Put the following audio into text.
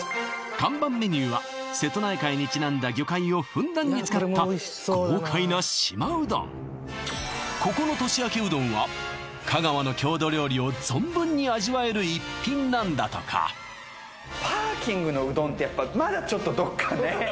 看板メニューは瀬戸内海にちなんだ魚介をふんだんに使った豪快なここの年明けうどんは香川の郷土料理を存分に味わえる一品なんだとかまだちょっとどっかね